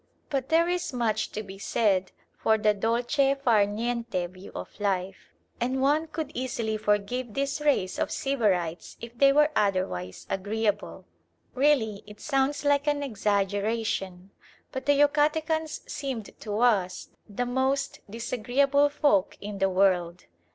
But there is much to be said for the dolce far niente view of life, and one could easily forgive this race of sybarites if they were otherwise agreeable. Really it sounds like an exaggeration, but the Yucatecans seemed to us the most disagreeable folk in the world.